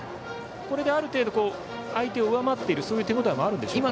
これである程度相手を上回っているそういう手応えもありますか。